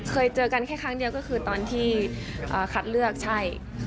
เคยเจอกันแค่ครั้งเดียวก็คือตอนที่คัดเลือกใช่